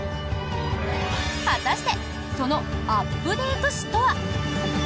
果たしてそのアップデート史とは？